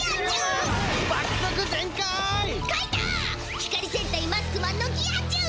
光戦隊マスクマンのギアチュン！